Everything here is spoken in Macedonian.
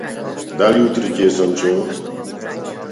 Далу утре ќе е сончево?